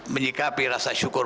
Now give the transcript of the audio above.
menyikapi rasa syukur